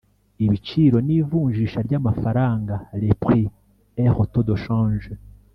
ibiciro n'ivunjisha ry'amafaranga (les prix et le taux de change)